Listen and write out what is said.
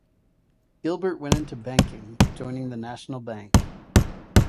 Gilbert went into banking joining the National Bank.